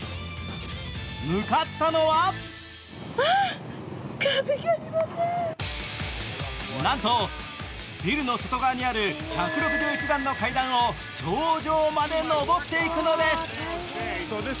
向かったのはなんとビルの外側にある１６１段の階段を頂上まで上っていくのです。